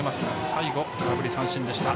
最後、空振り三振でした。